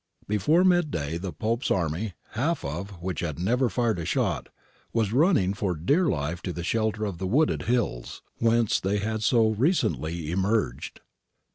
Before midday the Pope's army, half of which had never fired a shot, was running for dear hfe to the shelter of the wooded hills, whence they had so recently emerged.